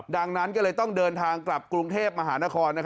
ดังนั้นก็เลยต้องเดินทางกลับกรุงเทพมหานคร